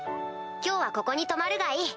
今日はここに泊まるがいい。